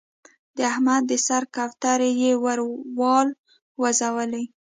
د احمد د سر کوترې يې ور والوزولې.